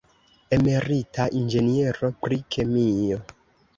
Emerita inĝeniero pri kemio.